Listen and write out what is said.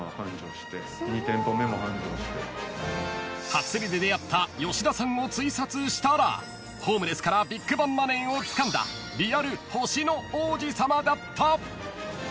［初競りで出会った吉田さんをツイサツしたらホームレスからビッグバンマネーをつかんだリアル星の王子さまだった］